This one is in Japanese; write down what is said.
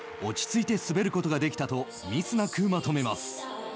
落ち着いて滑ることができたとミスなくまとめます。